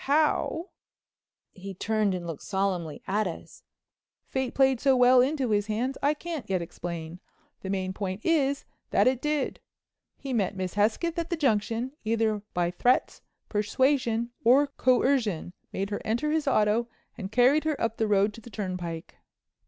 How," he turned and looked solemnly at us, fate played so well into his hands I can't yet explain—the main point is that it did. He met Miss Hesketh at the Junction, either by threats, persuasion or coercion made her enter his auto and carried her up the road to the turnpike.